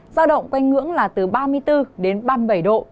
giao động quanh ngưỡng là từ ba mươi bốn đến ba mươi bảy độ